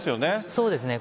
そうですね。